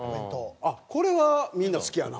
あっこれはみんな好きやな。